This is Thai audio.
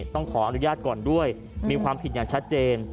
ต้องขออนุญาตก่อนด้วยมีความผิดอย่างชัดเจน